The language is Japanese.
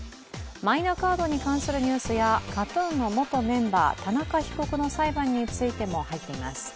マイナカードに関するニュースやＫＡＴ−ＴＵＮの元メンバー・田中被告の裁判についても入っています。